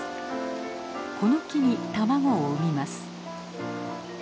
この木に卵を産みます。